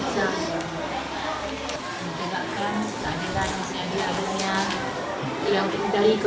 ini sudah hancur perasaan seorang yang telpon lagi disiksa